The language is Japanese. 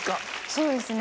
そうですね。